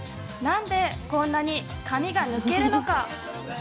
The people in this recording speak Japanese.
なんで、こんなに、髪が抜けるのか！